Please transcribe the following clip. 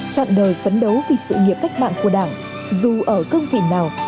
chọn đời phấn đấu vì sự nghiệp cách mạng của đảng dù ở cương vị nào